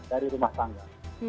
dari rumah tangga